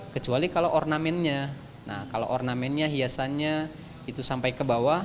kecuali kalau ornamennya nah kalau ornamennya hiasannya itu sampai ke bawah